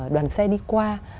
đoàn xe đi qua